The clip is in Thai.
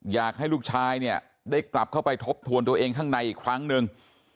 อยากให้ลูกชายเนี่ยได้กลับเข้าไปทบทวนตัวเองข้างในอีกครั้งหนึ่ง